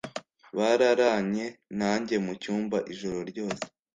Bararanye nanjye mu cyumba ijoro ryose